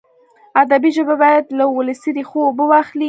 ادبي ژبه باید له ولسي ریښو اوبه واخلي.